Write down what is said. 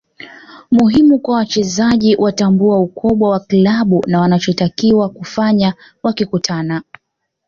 Muhimu kwa wachezaji kutambua ukubwa wa klabu na wanachotakiwa kufanya wakikutana